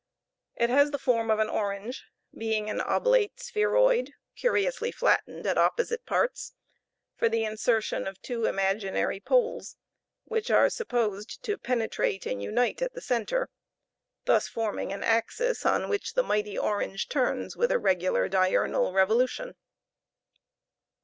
It has the form of an orange, being an oblate spheroid, curiously flattened at opposite parts, for the insertion of two imaginary poles, which are supposed to penetrate and unite at the center; thus forming an axis on which the mighty orange turns with a regular diurnal revolution.